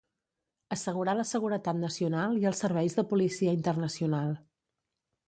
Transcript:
Assegurar la seguretat nacional i els serveis de policia internacional.